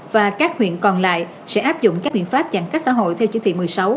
và các huyện còn lại sẽ áp dụng các biện pháp giãn cách xã hội theo chỉ thị một mươi sáu